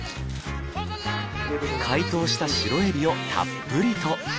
解凍したシロエビをたっぷりと。